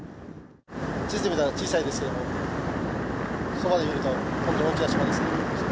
地図で見たら小さいですけど、そばで見ると本当に大きな島ですね。